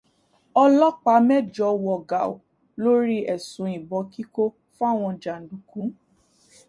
Ọlọ́pàá mẹ́jọ wọ gàu lórí ẹ̀sùn ìbọn kíkó fáwọn jàndùkú.